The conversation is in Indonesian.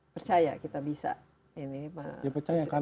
percaya kita bisa